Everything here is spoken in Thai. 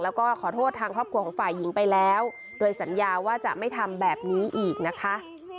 แล้วก็ขอโทษทางครอบครัวของฝ่ายหญิงไปแล้วโดยสัญญาว่าจะไม่ทำแบบนี้อีกนะคะ